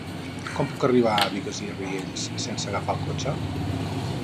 Com puc arribar a Bigues i Riells sense agafar el cotxe?